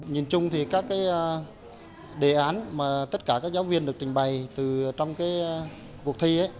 nhìn chung thì các đề án mà tất cả các giáo viên được trình bày từ trong cuộc thi